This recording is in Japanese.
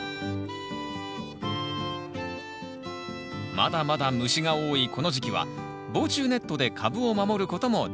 まだまだ虫が多いこの時期は防虫ネットで株を守ることも大事。